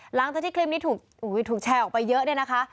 หลังจากที่คลิปนี้ถูกแชร์ออกไปเยอะเนี่ยนะคะ